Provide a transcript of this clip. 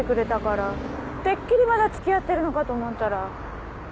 てっきりまだつきあってるのかと思ったら。